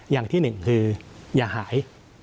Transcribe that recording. อย่างที่หนึ่งคืออย่าหาย